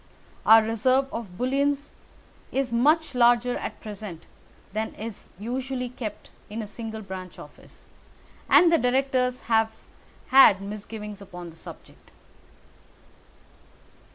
Our reserve of bullion is much larger at present than is usually kept in a single branch office, and the directors have had misgivings upon the subject."